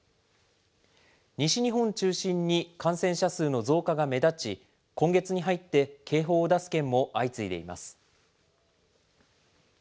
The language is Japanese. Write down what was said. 西日本中心に感染者数の増加が目立ち、今月に入って警報を出す県も相次いでいます。